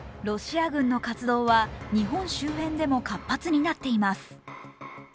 ロシア軍の活動は日本周辺でも活発になっています。